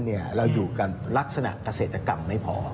เราอยู่กันลักษณะเกษตรกรรมไม่พอ